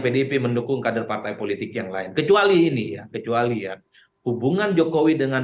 pdip mendukung kader partai politik yang lain kecuali ini ya kecuali ya hubungan jokowi dengan